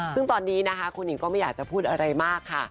ซึ่งตอนนี้นะคะคุณหญิงก็ไม่อยากจะพูดอะไรมากค่ะ